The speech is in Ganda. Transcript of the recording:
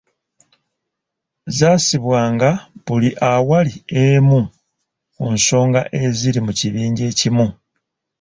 Zassibwanga buli awali emu ku nsonga eziri mu kibinja ekimu.